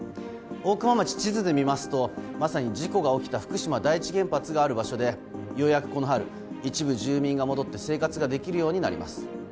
大熊町、地図で見ますとまさに事故が起きた福島第一原発がある場所でようやく、この春一部住民が戻って生活ができるようになります。